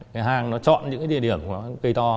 cái hàng nó chọn những cái địa điểm của cây to